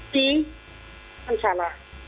tapi kan salah